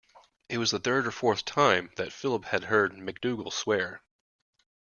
It was the third or fourth time that Philip had heard MacDougall swear.